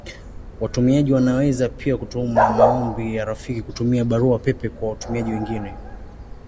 Watumiaji wanaweza pia kutuma maombi ya rafiki kutumia Barua pepe kwa watumiaji wengine.